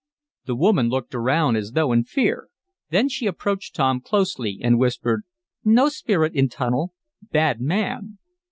The woman looked around, as though in fear. Then she approached Tom closely and whispered: "No spirit in tunnel bad man!"